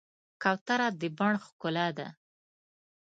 کوتره د بڼ ښکلا ده.